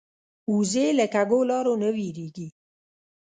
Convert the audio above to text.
وزې له کږو لارو نه وېرېږي